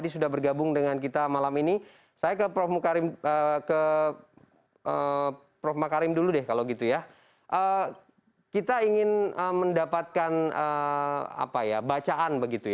selamat malam terima kasih sehat juga selamat malam pak makarim